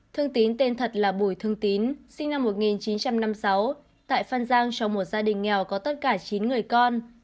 thương tín tên thật là bùi thương tín sinh năm một nghìn chín trăm năm mươi sáu tại phan giang cho một gia đình nghèo có tất cả chín người con